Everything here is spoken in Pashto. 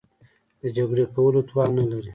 د جګړې کولو توان نه لري.